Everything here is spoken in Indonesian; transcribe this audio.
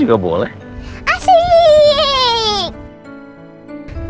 jangan sampai kedengeran rosan aku